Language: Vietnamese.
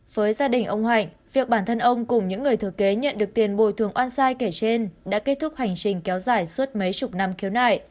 với gia đình ông hạnh việc bản thân ông cùng những người thừa kế nhận được tiền bồi thường oan sai kể trên đã kết thúc hành trình kéo dài suốt mấy chục năm khiếu nại